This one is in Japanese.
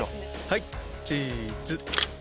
はいチーズ！